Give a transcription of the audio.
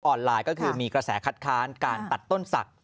ไลน์ก็คือมีกระแสคัดค้านการตัดต้นศักดิ